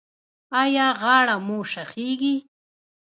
ایا غاړه مو شخیږي؟